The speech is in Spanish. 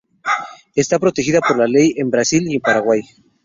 Está protegida por ley en Brasil y Paraguay.